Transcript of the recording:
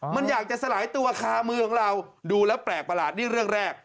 มันอยากจะสลายตัวคามือของเราดูแล้วแปลกประหลาดนี่เรื่องแรก